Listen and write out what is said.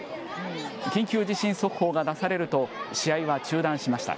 緊急地震速報が出されると、試合は中断しました。